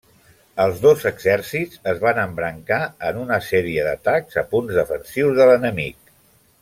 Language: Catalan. Els dos exèrcits es van embrancar en una sèrie d'atacs a punts defensius de l'enemic.